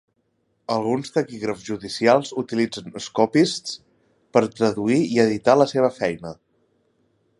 Alguns taquígrafs judicials utilitzen "scopists" per a traduir i editar la seva feina.